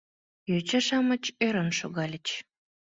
Йоча-шамыч ӧрын шогальыч.